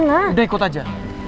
udah ikut aja